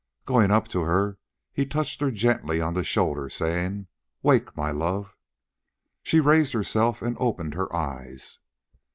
Going up to her he touched her gently on the shoulder, saying, "Wake, my love." She raised herself and opened her eyes.